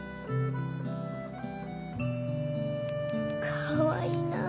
かわいいなあ。